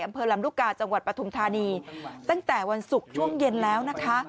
อำเภอลำลูกกาจังหวัดปฐุมธานีตั้งแต่วันศุกร์ช่วงเย็นแล้วนะคะ